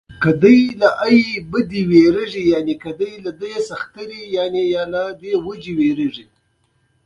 پسه د شخړې خوا نه ځي.